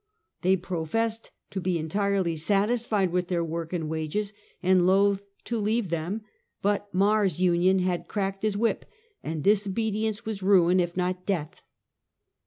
They professed to be entirely satisfied with their work and wages, and loath to leave them ; but Mars' Union had cracked his whip, and disobedience was ruin, if not death.